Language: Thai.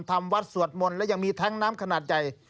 ทำวัดสวดมนต์และยังมีแท้งน้ำขนาดใหญ่